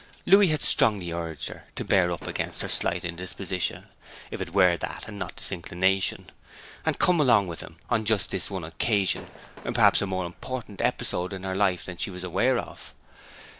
Louis had strongly urged her to bear up against her slight indisposition if it were that, and not disinclination and come along with him on just this one occasion, perhaps a more important episode in her life than she was aware of.